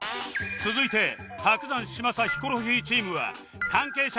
続いて伯山嶋佐ヒコロヒーチームは関係者